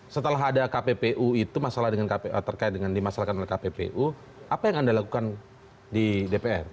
setelah ada kppu itu terkait dengan dimasalahkan oleh kppu apa yang anda lakukan di dpr